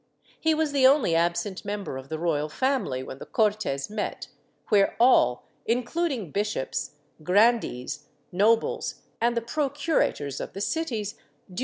He was the only absent member of the royal family w^hen the Cortes met, where all, including bishops, grandees, nobles and the procurators 1 Koska Vayo, III, 3S0.